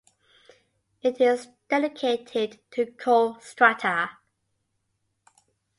It is dedicated to coal strata.